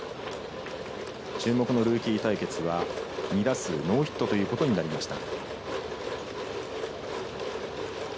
注目のルーキー対決は２打数ノーヒットとなりました。